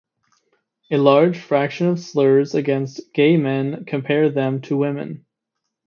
A large fraction of slurs against gay men compare them to women.